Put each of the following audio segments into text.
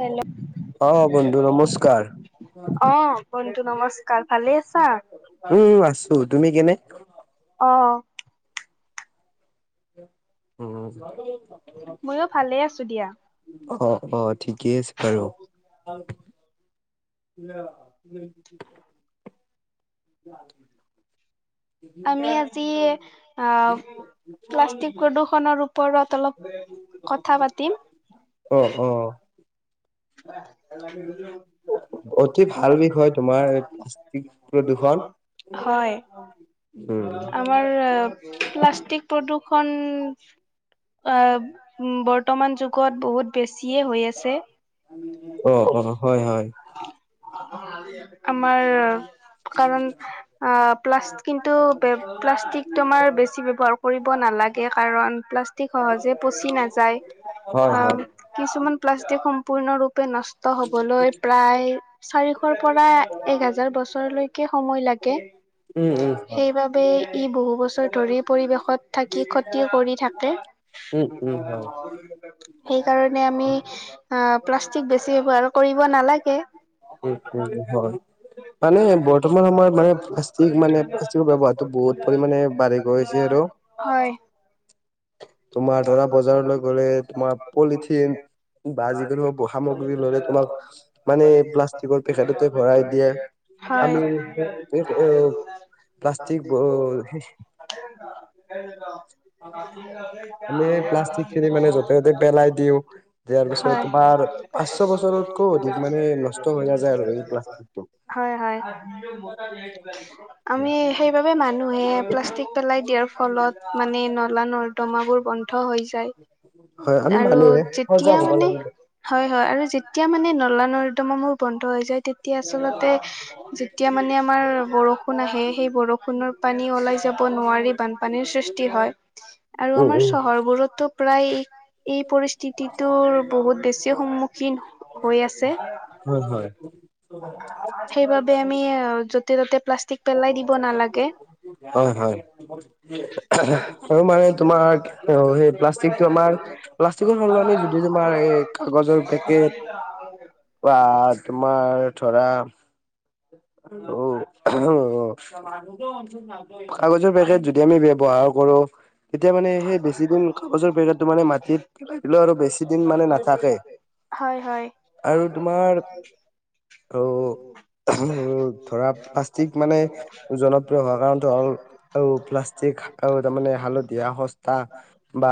Hello অ' বন্ধু নমস্কাৰ। অ বন্ধু নমস্কাৰ, ভালে আছা? উম উম আছোঁ, তুমি কেনে? অ উম। ময়ো ভালে আছো দিয়া। অঁ অঁ ঠিকেই আছে বাৰু। [inaudible] আমি আজি আহ প্লাষ্টিক প্ৰদূৰ্ষনৰ ওপৰত অলপ কথা পাতিম। অ অ [inaudible] অতি ভাল বিষয় তোমাৰ প্লাষ্টিক প্ৰদূষণ। হয় উম আমাৰ আ প্লাষ্টিক প্ৰদূষণ আব বৰ্তমান যুগত বহুত বেছিয়ে হৈ আছে। অঁ অঁ হয় হয়। আমাৰ কাৰণ আহ প্লাষ্ট কিন্তু প্লাষ্টিকটো আমাৰ বেছি ব্যৱহাৰ কৰিব নালাগে কাৰণ প্লাছ টিক সহজে পচি নাযায়। হয় আ হয়। কিছুমান প্লাষ্টিক সম্পূৰ্ণৰূপে নষ্ট ট হবলৈ প্ৰায়, চাৰিশৰ পৰা এক হাজাৰ বছৰৰ লৈকে সময় লাগে। উম উম হয় সেইবাবে ই বহু বছৰ ধৰি পৰিৱেশত থাকি ক্ষতি কৰি থাকে। উম উম হয় সেইকাৰণে আমি আ প্লাষ্টিক বেছি ব্যৱহাৰ কৰিব নালাগে। উম উম হয় মানে বৰ্তমান সময়ত মানে প্লাষ্টিক মানে প্লাষ্টিকৰ ব্যৱহাৰটো বহুত পৰিমাণে বাঢ়ি গৈছে আৰু। হয়। তোমাৰ ধৰা বজৰলৈ গ'লে তোমাৰ পলিথিন বা যিকোনো সামগ্ৰী ললে তোমাক মানে প্লাষ্টিকৰ পেকেটতে ভৰাই দিয়ে। আমি হয়। প্লাষ্টিক ব হি [inaudible] আমি প্লাষ্টিক খিনি মানে যতে ততে পেলাই দিওঁ। দিয়াৰ পিছত হয় তোমাৰ পাঁচশ বছৰতকৈও অধিক মানে নষ্ট হৈ নাযায় আৰু এই প্লাষ্টিকটো। হয় হয় আমি সেই সেইবাবে মানুহে প্লাষ্টিক পেলাই দিয়াৰ ফলত মানে নলা নৰ্দমাবোৰ বন্ধ হৈ যায় হয় আমি আৰু মানুহে যেতিয়া সজাগ হ'ব মানে লাগিব। হয় হয় আৰু যেতিয়া মানে নলা নৰ্দমাবোৰ বন্ধ হৈ যায়, তেতিয়া আচলতে যেতিয়া মানে আমাৰ বৰষুণ আহে সেই বৰষুণৰ পানী ওলাই যাব নোৱাৰি বানপানীৰ সৃষ্টি হয়, আৰু উম আমাৰ উম চহৰবোৰতো প্ৰায় এই পৰিস্থিতি টোৰ বহুত বেছি সন্মুখীন হৈ আছে। হয় হয়। সেইবাবে আমি এ য'তে ততে প্লাষ্টিক পেলাই দিব নালাগে। হয় হয়। আৰু মানে তোমাৰ, সেই প্লাষ্টিকটো আমাৰ প্লাষ্টিকৰ সলনী যদি তোমাৰ এই কাগজৰ পেকেট [inaudible] বা তোমাৰ ধৰা [unintelligible] কাগজৰ পেকেট যদি আমি ব্যৱহাৰ কৰো। তেতিয়া মানে সেই বেছি দিন কাগজৰ পেকেটটো মানে মাটিত থাকিলো আৰু বেছি দিন মানে নাথাকে। হয় হয়। আৰু তোমাৰ উম ধৰা প্লাষ্টিক মানে - জনপ্ৰিয় হোৱা কাৰণটো হল, আৰু প্লাষ্টিক আহ তাৰমানে হালধীয়া। সস্তা বা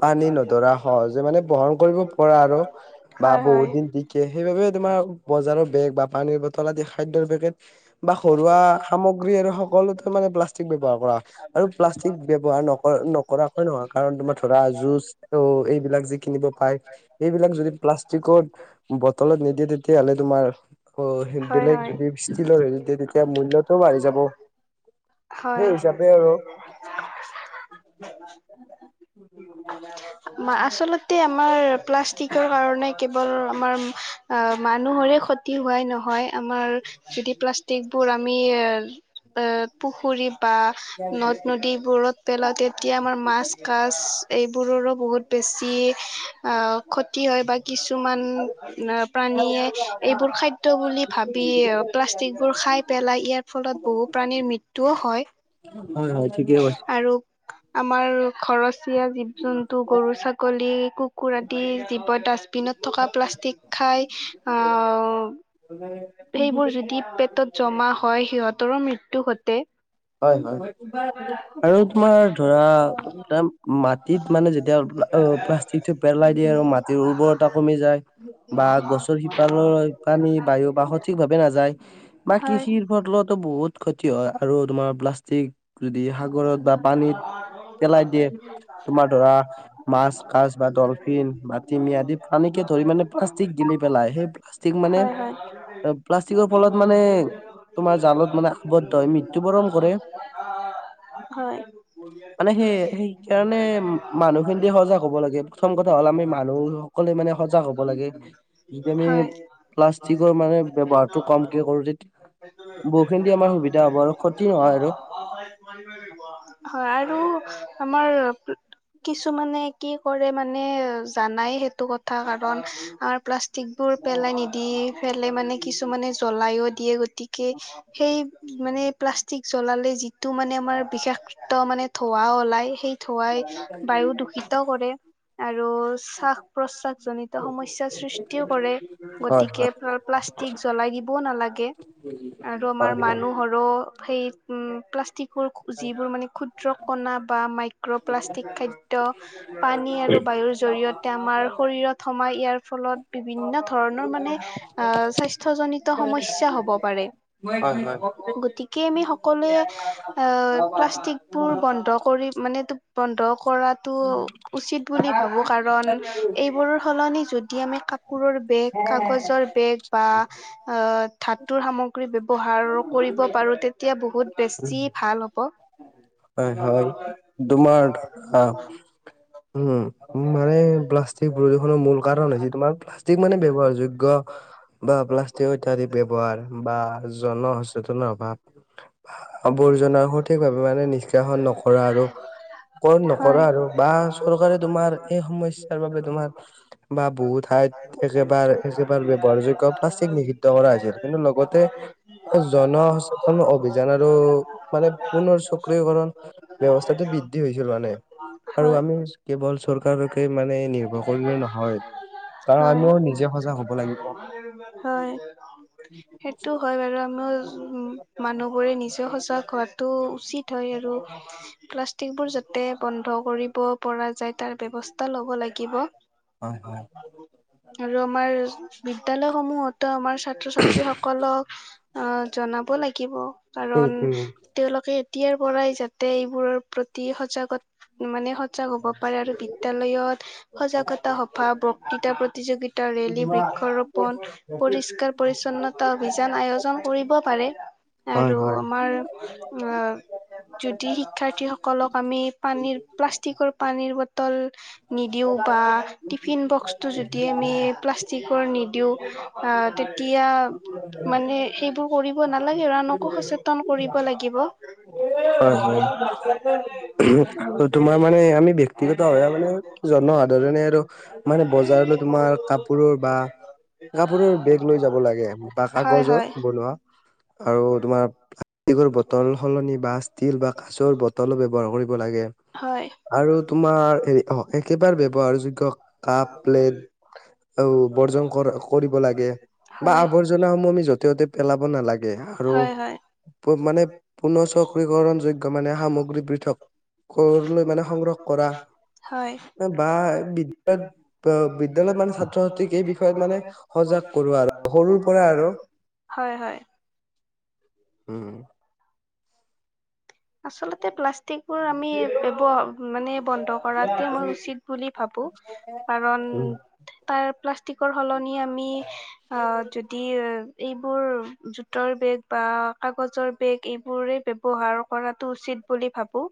পানী নধৰা সহজে মানে বহন কৰিব পৰা আৰু - বা হয় বহুত হয় দিন টি কে, সেইবাবেই তোমাৰ বজাৰৰ বেগ বা পানীৰ বটল আদি খাদ্যৰ পেকেট - বা ঘৰুৱা সামগ্ৰী আৰু সকলোতে মানে প্লাষ্টিক ব্যৱহাৰ কৰা - আৰু প্লাষ্টিক ব্যৱহাৰ নক নকৰাকৈ নহয় কাৰণ তোমাৰ ধৰা জোছ্ - আৰু এইবিলাক যে কিনিব পায়, সেইবিলাক যদি প্লাষ্টিকত - বটলত নিদিয়ে তেতিয়াহ'লে তোমাৰ - আকৌ সেই হয় বেলেগ হয় যদি ষ্টীলৰ হেৰিত দিয়ে তেতিয়া মূল্যটো বাঢ়ি যাব। সেই হয়। হিচাপে আৰু আচলতে আমাৰ প্লাষ্টিকৰ কাৰণে কেৱল আমাৰ - আ মানুহৰে ক্ষতি হোৱাই নহয়। আমাৰ যদি প্লাষ্টিকবোৰ আমি এ পুখুৰীত বা - নদ নদীবোৰত পেলাও তেতিয়া আমাৰ মাছ কাছ - এইবোৰৰো বহুত বেছি ক্ষতি হয় বা কিছুমান - প্ৰাণীয়ে এইবোৰ খাদ্য বুলি ভাবি প্লাষ্টিক বোৰ খাই পেলাই ইয়াৰ ফলত - বহু প্ৰাণীৰ মৃত্যুও হয়। হয় হয় ঠিকেই কৈছে। আৰু আমাৰ ঘৰচীয়া জীৱ-জন্তু গৰু-ছাগলী কু কুৰ আদি জীৱ ডাষ্টবিনত থকা প্লাষ্টিক খাই অ - এইবোৰ যদি পেটত জমা হয় সিহঁতৰো মৃত্যু ঘটে। হয় হয় আৰু তোমাৰ ধৰা - এ মাটিত মানে যেতিয়া প্লাষ্টিকটো পেলাই দিয়ে আৰু মাটিৰ উৰ্বৰতা কমি যায়। বা গছৰ শিপাৰলৈ পানী বায়ু বা সঠিক ভাৱে নাযায়। বা হয় কৃষিৰ ফলতো বহুত ক্ষতি হয়। পআৰু তোমাৰ প্লাষ্টিক - যদি সাগৰত বা পানীত - [unintelligible] টিমি আদি পানীকে ধৰি মানে প্লাষ্টিক গিলি পেলাই, সেই প্লাষ্টিক মানে - হয় হয় প্লাষ্টিকৰ ফলত মানে তোমাৰ জালত মানে আৱদ্ধ হৈ মৃ ত্যু বৰণ কৰে। হয়। মানে সেই সেই কাৰণে মানুহখিনিতে সজাগ হ'ব লাগে, প্ৰথম কথা হ'ল আমি মানুহ স কলে মানে সজাগ হ'ব লাগে। যদি আমি হয় - প্লাষ্টিকৰ মানে ব্যৱহাৰটো কমকে কৰো তেতিয়া বহুতখিনি আমাৰ সুবিধা হব আৰু। ক্ষতি নহয় আৰু। [unintelligible] আৰু আমাৰ কিছুমানে কি কৰে মানে জানাই সেই টো কথা কাৰণ আমাৰ প্লাষ্টিকবোৰ পেলাই নিদি - পেলে মানে কিছুমানে জ্বলাইও দিয়ে গতিকে সেই - মানে প্লাষ্টিক জ্বলালে যিটো মানে আমাৰ বিষাক্ত মানে ধোৱা ওলাই সেই - ধোৱাই বায়ু দূষিত কৰে। আৰু শ্বাস প্ৰশ্বাস - জনিত সমস্যাৰ সৃষ্টিও কৰে, হয় গতিকে হয় প্লাষ্টিক জ্বলাই দিবও নালাগে। আৰু হয় আমাৰ মানুহৰো সেই উম প্লাষ্টিকৰ যিবোৰ মানে ক্ষুদ্ৰ কণা বা মাইক্ৰ'প্লাষ্টিক খাদ্য, পানী আৰু বায়ুৰ জৰিয়তে আমাৰ শৰীৰত সমাই ইয়াৰ ফলত বিভিন্ন ধৰণৰ মানে, [inaudible] স্বাস্থজনিত সমস্যা হ'ব পাৰে। হয় হয় হয় গতিকে আমি সকলোৱে অ প্লাষ্টিক বোৰ বন্ধ কৰি মানে বন্ধ কৰাতটো, উচিত বুলি ভাবোঁ, কাৰণ এইবোৰৰ সলনি যদি আমি কাপোৰৰ বেগ কাগজৰ বেগ বা ধাতুৰ অ সামগ্ৰী ব্যৱহা ৰ আৰু কৰিব পাৰোঁ তেতিয়া বহুত বেছি ভাল হ'ব। হয় হয় তোমাৰ আ উম, মানে প্লাষ্টিক প্ৰদূষণে মূ ল কাৰণ হৈছে তোমাৰ প্লাষ্টিক মানে ব্যৱহাৰ যোগ্য বা প্লাষ্টিক ইত্যাদি ব্যৱহাৰ বা জন সচেতনৰ অভাৱ। আবৰ্জনাৰ বোৰ সঠিক ভাৱে মানে নিষ্কাশন নকৰা আৰু। কৰ হয়। নকৰা আৰু বা চৰকাৰে তোমাৰ সেই সমস্যাৰ বাবে তোমাৰ বা বহু ঠাইত একেবাৰ একেবাৰে ব্যৱহাৰ যোগ্য প্লাষ্টিক নিষিদ্ধ কৰা হৈছিল, কিন্তু লগতে জনসচেতন অভিযান আৰু মানে পুনৰ সক্ৰিয়কৰণ ব্যৱস্থাটো বৃদ্ধি হৈছে মানে। আৰু হয়। আমি কেৱল চৰকাৰকে মানে নিৰ্ভৰ কৰিলে নহয়। কাৰণ হয়। আমিও নিজে সজাগ হ'ব লাগিব। হয়, সেইটো হয় বাৰু আমিও মানুহবোৰে নিজে সজাগ হোৱাতটো উচিত হয় আৰু পালাচ এই বোৰ যাতে বন্ধ কৰিব পৰা যায় তাৰ ব্যৱ স্থা লব লাগিব। হয় হয়। আৰু আমাৰ বিদ্যয়ালয় সমূহতো আমাৰ ছাত্ৰ ছাত্ৰীসকলক আ জনাব লাগিব, উম কাৰণ উম তেওঁলোকে এতিয়াৰ পৰাই যাতে এইবোৰৰ প্ৰতি সজাগ মানে সজাগ হ'ব পাৰে আৰু বিদ্যালয়ত। সজাগতা সভা, বক্তৃতা প্ৰতিযোগিতা ৰেলী বৃক্ষ ৰোপণ পৰিষ্কাৰ পৰিচ্ছন্নতা অভিযান আয়োজন কৰিব পাৰে। হয় আৰু হয়। আমাৰ আঁ যদি শিক্ষাৰ্থীসকলক আমি পানীৰ প্লাষ্টিকৰ পানীৰ বটল নিদিওঁ বা টিফিন বক্সটো যদি আমি প্লাষ্টিকৰ নিদিওঁ অঁ তেতিয়া মানে সেইবোৰ কৰিব নালাগে ৰানক সচেতন কৰিব লাগিব। হয় হয়। তোমাৰ মানে আমি ব্যক্তিগত হ মানে জনসাধাৰণে মনে বজাৰলৈ তোমাৰ কাপোৰৰ বা আপুনি বেগ লৈ যাব লাগে বা হয় কাগজৰ হয় বনোৱা। আৰু তোমাৰ এই বোৰ বটল সলনি বা ষ্টীল বা কাচৰ বটল ব্যৱহাৰ কৰিব লাগে। হয় আৰু তোমাৰ হেৰি একেবাৰে ব্যৱহাৰযোগ্য কাপ প্লেট আৰু বৰ্জন কৰ কৰিব লাগে বা হয় আৱৰ্জাসমূহ আমি যতে ততে পেল পাব নালাগে আৰু হয় হয় মানে পোন্ধৰশ গ্ৰহণ যোগ্য মানে সামগ্ৰী পৃথক ঘৰলৈ মানে সংগ্ৰহ কৰা হয়। বা বিদ্যালয়ত বিদ্যালয়ত মানে ছাত্ৰ-ছাত্ৰীক এই বিষয়ত মানে সজাগ কৰো আৰু সৰুৰ পৰা আৰু। হয় হয়। উ উ। আচলতে প্লাষ্টিকবোৰ আমি ব্যৱ মানে বন্ধ কৰাটো মই উচিত বুলি ভাবো। কাৰণ [inaudible] তাৰ প্লাষ্টিকৰ সলনি আমি আ য যদি এইবোৰ জোতৰ বেগ বা কাগজৰ বেগ এইবোৰে ব্যৱহাৰ কৰাটো উচিত বুলি ভাবো।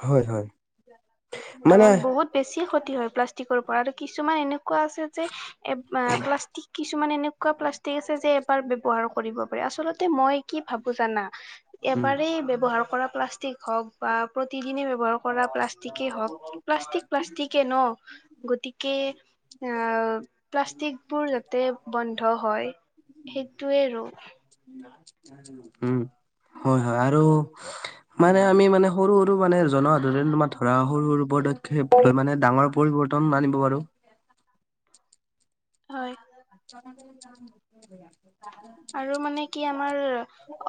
হয় হয়। মানে কাৰণ বহুত বেছি ক্ষতি হয় প্লাষ্টিকৰ পৰা আৰু কিছুমান এনেকুৱা আছে যে এ প্লাষ্টিক কিছুমান এনেকুৱা প্লাষ্টিক আছে যে এবাৰ ব্যাবহাৰ কৰিব পাৰি। আচলতে মই কি ভাবো জানা উম এবাৰেই ব্যাৱহাৰ কৰা প্লাষ্টিক হওঁক বা প্ৰতিদিনে ব্যাৱহাৰ কৰা প্লাষ্টিকেই হওঁক প্লাষ্টিক প্লাষ্টিকে ন'। গতিকে আ প্লাষ্টিকবোৰ যাতে বন্ধ হয় সেইটোৱে আৰু। উম হয় হয় আৰু মানে আমি মানে সৰু সৰু মানে জনসাধাৰণে তোমাৰ ধৰা সৰু সৰু পদক্ষেপ লৈ মানে ডাঙৰ পৰিবৰ্তন আনিব পাৰোঁ। হয় [unintelligible] আৰু মানে কি আমাৰ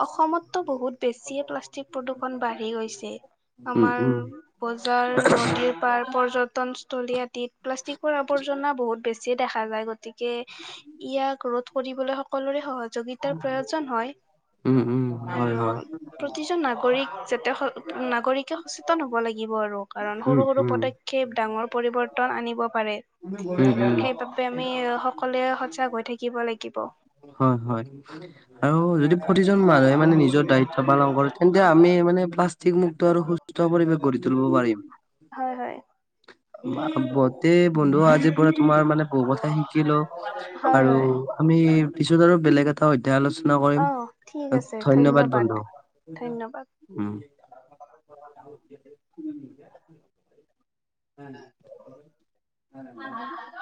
অসমতো বহুত বেছিয়ে প্লাষ্টিক প্ৰদূৰষণ বাঢ়ি গৈছে। উম আমাৰ উম বজাৰ, নদীৰ পাৰ, পৰ্যটন তলি আদিত প্লাষ্টিকৰ আৱৰ্জনা বহুত বেছি দেখা যায় গতিকে ইয়াক ৰোধ কৰিবলৈ সকলোৰে সহযোগিতাৰ প্ৰয়োজন হয়। উম হু হয় আৰু হয়। প্ৰতিজন নাগৰিক যাতে নাগৰিকে সচেতন হ'ব লাগিব আৰু কাৰণ উম সৰু সৰু উম পদক্ষ ক্ষেপ ডাঙৰ পৰিৱৰ্তন আনিব পাৰে, উম উম সেই আমি সকলোৱে সচাগ হৈ থাকিব লাগিব। হয় হয়। আৰু যদি প্ৰতিজন মানুহে মানে নিজৰ দায়িত্ব পালন কৰে তেন্তে আমি মানে প্লাষ্টিক মুুক্ত আৰু সু সুস্থ্য পৰিৱেশ গঢ়ি তুলিব পাৰিম। হয় হয়। গোটেই বন্ধু আজিৰ পৰা তোমাৰ বহুত কথা শিকিলোঁ হয় হয়। আমি পিছত আৰু বেলেগ এট তা অধ্যাই আলোচনা কৰিম। অ ঠিক আছে ধন্যবাদ বন্ধু ধন্যবাদ উম। [unintelligible]